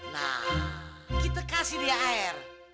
nah kita kasih dia air